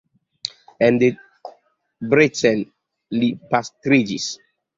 En Debrecen li pastriĝis.